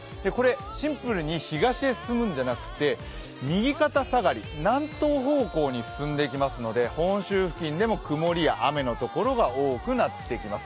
シンプルに東へ進むんじゃなくて、右肩下がり、南東方向に進んでいきますので本州付近でもくもりや雨の所が多くなっていきます。